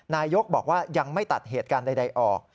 นายกบอกว่ายังไม่ตัดเหตุการณ์ใดออก